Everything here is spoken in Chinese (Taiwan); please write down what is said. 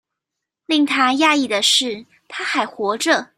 令他訝異的是她還活著